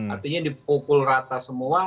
artinya dipukul rata semua